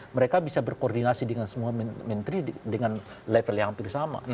mereka bisa berkoordinasi dengan semua menteri dengan level yang hampir sama